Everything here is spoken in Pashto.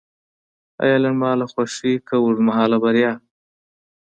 ایا لنډمهاله خوښي که اوږدمهاله بریا؟